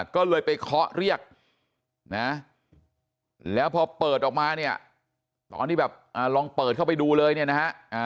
ก็เลยไปเคาะเรียกนะแล้วพอเปิดออกมาเนี่ยตอนที่แบบลองเปิดเข้าไปดูเลยเนี่ยนะฮะ